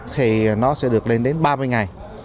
thì nó sẽ được lên đến ba mươi ngày